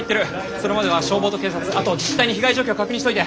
それまでは消防と警察あと自治体に被害状況確認しといて。